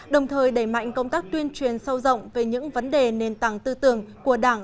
đồng thời đẩy mạnh công tác tuyên truyền sâu rộng về những vấn đề nền tảng tư tưởng của đảng